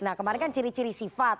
nah kemarin kan ciri ciri sifat